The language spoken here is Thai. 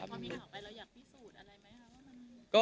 อยากพอมีหน้าออกไปแล้วอยากพิสูจน์อะไรไหมครับ